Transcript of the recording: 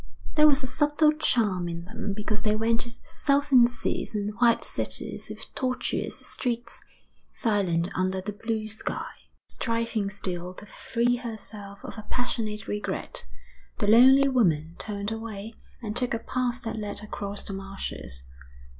There was a subtle charm in them because they went to Southern seas and white cities with tortuous streets, silent under the blue sky. Striving still to free herself of a passionate regret, the lonely woman turned away and took a path that led across the marshes.